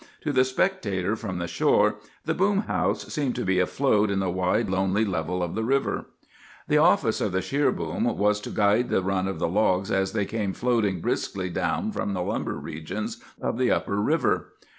To the spectator from the shore the boom house seemed to be afloat on the wide, lonely level of the river. "The office of the sheer boom was to guide the run of the logs as they came floating briskly down from the lumber regions of the upper river.